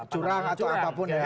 curang atau apapun ya